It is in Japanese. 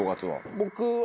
僕は。